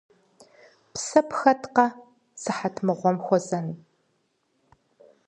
Псэ пхэткъэ, сыхьэт мыгъуэм хуэзэн?